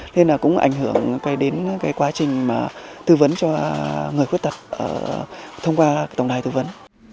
nên là cũng ảnh hưởng đến cái quá trình mà tư vấn cho người khuyết tật thông qua tổng đài tư vấn